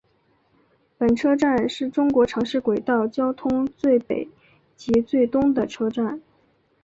本车站是中国城市轨道交通最北及最东的车站。